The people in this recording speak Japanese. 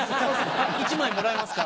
１枚もらえますか？